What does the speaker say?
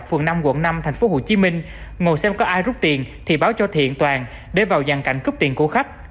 phường năm quận năm tp hcm ngồi xem có ai rút tiền thì báo cho thiện toàn để vào dàn cảnh cướp tiền của khách